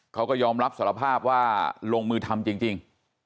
เขาก็ยอมรับสารภาพว่าลงมือทำจริง